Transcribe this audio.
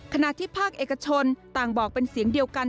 ขณะที่ภาคเอกชนต่างบอกเป็นเสียงเดียวกัน